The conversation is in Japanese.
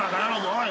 おい。